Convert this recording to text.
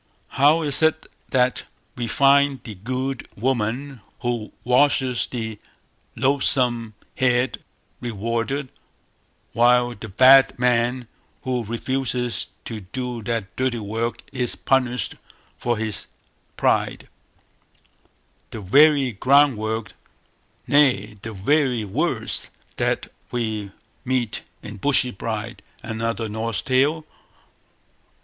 How is it that we find the good woman who washes the loathsome head rewarded, while the bad man who refuses to do that dirty work is punished for his pride; the very groundwork, nay the very words, that we meet in Bushy bride, another Norse Tale?